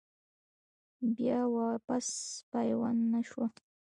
بيا واپس پيوند نۀ شوه ۔